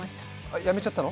辞めちゃったの？